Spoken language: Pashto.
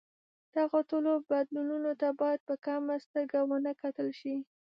دغو ټولو بدلونونو ته باید په کمه سترګه ونه کتل شي.